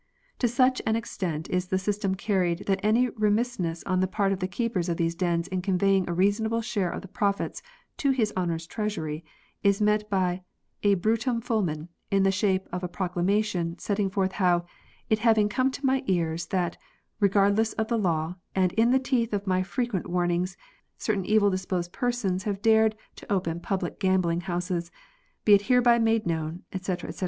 To such an extent is the system carried that any remissness on the part of the keepers of these dens in conveying a reasonable share of the profits to his honour's treasury, is met by a hrutum fulmen in the shape of a proclamation, set ting forth how " it having come to my ears that, re *' gardless of law, and in the teeth of my frequent " warnings, certain evil disposed persons have dared " to open public gambling houses, be it hereby made *' known," &c., &c.